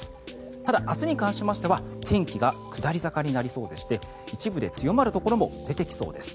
ただ、明日に関しましては天気が下り坂になりそうでして一部で強まるところも出てきそうです。